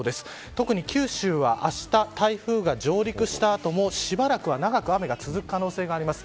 特に九州は、あした台風が上陸した後もしばらくは長く雨が続く可能性があります。